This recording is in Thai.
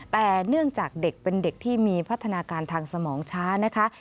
แต่เนื่องจากเด็กเป็นเด็กที่มีพัฒนาการทางสมองช้านะคะ